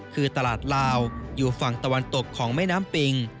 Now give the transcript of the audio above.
คือตลาดลาวอยู่ฝั่งตะวันตกของแม่น้ำปิง